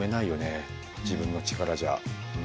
自分の力じゃ。